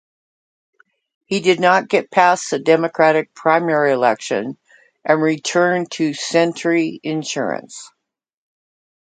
He did not get past the Democratic primary election and returned to Sentry Insurance.